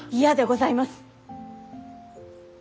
嫌でございます。